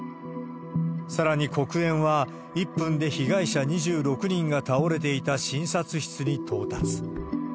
さらに、黒煙は１分で被害者２６人が倒れていた診察室に到達。